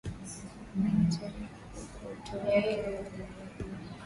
Nahitaji utoweke hapa mara hii